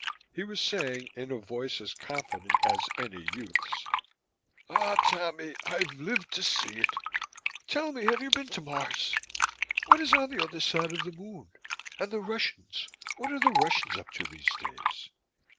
He was saying, in a voice as confident as any youth's, "Ah, Tommy, I've lived to see it! Tell me, have you been to Mars? What is on the other side of the Moon? And the Russians what are the Russians up to these days?"